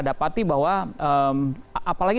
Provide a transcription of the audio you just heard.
dapati bahwa apalagi